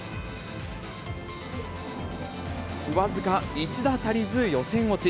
僅か１打足りず予選落ち。